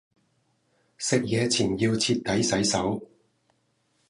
食野前要徹底洗手